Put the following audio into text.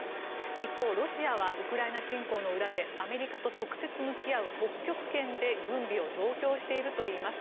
一方、ロシアはウクライナ侵攻の裏でアメリカと直接向き合う北極圏で軍備を増強しているといいます。